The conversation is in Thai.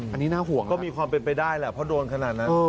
อันนี้น่าห่วงก็มีความเป็นไปได้แหละเพราะโดนขนาดนั้น